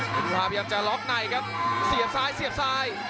เพชรภาพยักษ์จะล็อกได้ครับเสียบซ้าย